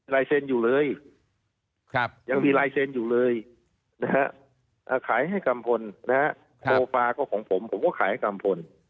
ลายเซ็นต์อยู่เลยยังมีลายเซ็นต์อยู่เลยขายให้กัมพลโซฟาก็ของผมผมก็ขายให้กัมพล